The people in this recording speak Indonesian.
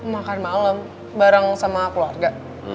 makan malem barang sama keluarga